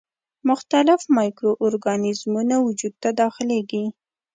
مختلف مایکرو ارګانیزمونه وجود ته داخليږي.